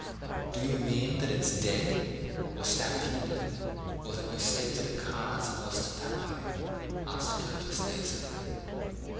"Do you mean that it's dead, or stampeded, or that you staked it at cards and lost it that way?" asked Clovis lazily.